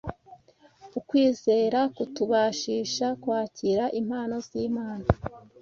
Ukwizera kutubashisha kwakira impano z’Imana